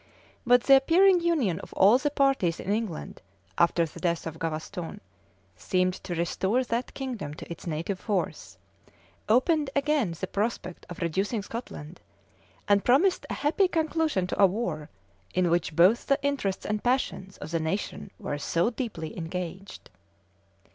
But the appearing union of all the parties in England, after the death of Gavaston, seemed to restore that kingdom to its native force, opened again the prospect of reducing Scotland, and promised a happy conclusion to a war, in which both the interests and passions of the nation were so deeply engaged.